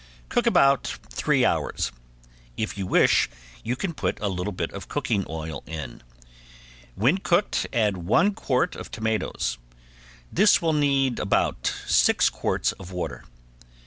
Cook about three hours. If you wish you can put a little bit of cooking oil in. When cooked add one quart of tomatoes. This will need about six quarts of water.